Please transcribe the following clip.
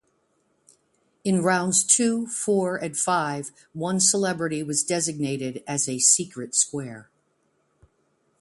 In rounds two, four and five, one celebrity was designated as a "secret square".